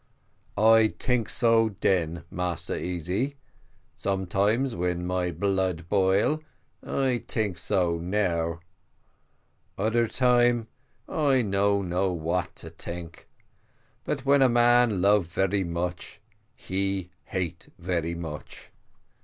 "I tink so den, Massa Easy, sometimes when my blood boil, I tink so now oder time, I no know what to tink but when a man love very much, he hate very much."